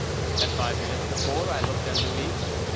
At five minutes to four I looked at Louis.